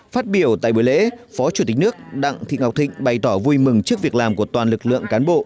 phát biểu tại buổi lễ phó chủ tịch nước đặng thị ngọc thịnh bày tỏ vui mừng trước việc làm của toàn lực lượng cán bộ